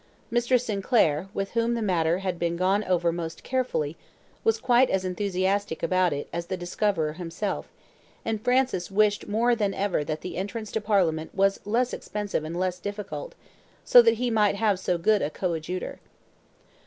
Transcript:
Mr. Sinclair, with whom the matter had been gone over most carefully, was quite as enthusiastic about it as the discoverer himself, and Francis wished more than ever that the entrance to Parliament was less expensive and less difficult, so that he might have so good a coadjutor.